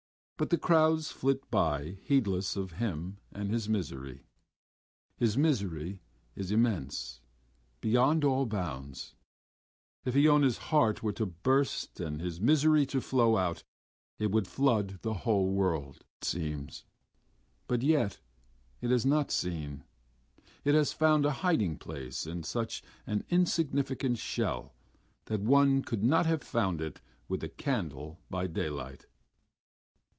But the crowds flit by heedless of him and his misery.... His misery is immense, beyond all bounds. If Iona's heart were to burst and his misery to flow out, it would flood the whole world, it seems, but yet it is not seen. It has found a hiding place in such an insignificant shell that one would not have found it with a candle by daylight....